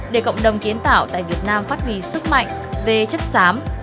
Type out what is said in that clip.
để cộng đồng kiến tạo tại việt nam phát huy sức mạnh về chất xám